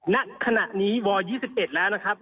ณขณะนี้ว๒๑แล้วนะครับ